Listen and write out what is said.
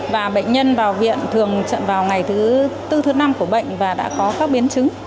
và bệnh nhân vào viện thường chậm vào ngày thứ tư thứ năm của bệnh và đã có các biến chứng